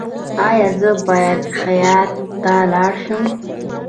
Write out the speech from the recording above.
ایا زه باید خیاط ته لاړ شم؟